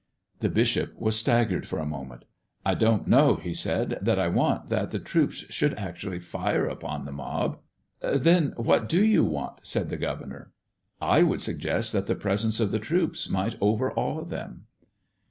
The bishop was staggered for a moment. "I don't know," he said, "that I want that the troops should actually fire upon the mob." "Then what do you want?" said the governor. "I would suggest that the presence of the troops might overawe them."